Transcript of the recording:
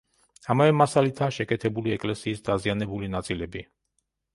ამავე მასალითაა შეკეთებული ეკლესიის დაზიანებული ნაწილები.